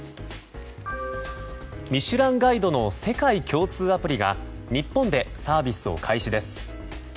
「ミシュランガイド」の世界共通アプリが日本でサービスを開始です。